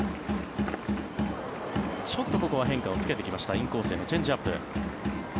ちょっとここは変化をつけてきましたインコースへのチェンジアップ。